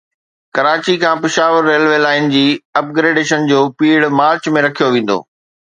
ڪراچي کان Peshawar railway line جي upgradation جو پيڙهه مارچ ۾ رکيو ويندو